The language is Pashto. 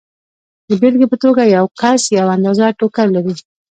د بېلګې په توګه یو کس یوه اندازه ټوکر لري